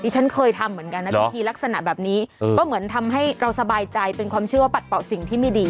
ฉันเคยทำเหมือนกันนะพิธีลักษณะแบบนี้ก็เหมือนทำให้เราสบายใจเป็นความเชื่อว่าปัดเป่าสิ่งที่ไม่ดี